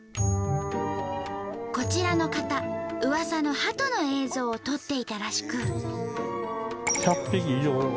こちらの方うわさのハトの映像を撮っていたらしく。